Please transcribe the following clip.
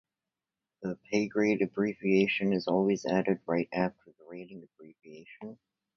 The paygrade abbreviation is always added right after the rating abbreviation.